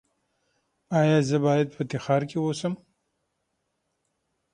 ایا زه باید په تخار کې اوسم؟